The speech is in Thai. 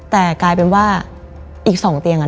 แต่กลายเป็นว่าอีก๒เตียง